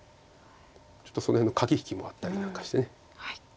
ちょっとその辺の駆け引きもあったりなんかして。